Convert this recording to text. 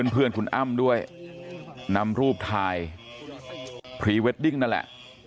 เพื่อนคุณอ้ำด้วยนำรูปถ่ายพรีเวดดิ้งนั่นแหละ